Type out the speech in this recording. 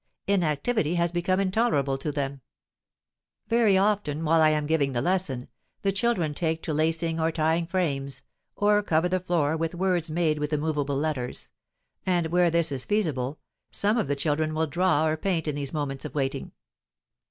Inactivity has become intolerable to them. Very often, while I am giving the lesson, the children take the lacing or tying frames, or cover the floor with words made with the movable letters; and where this is feasible, some of the children will draw or paint in these moments of waiting.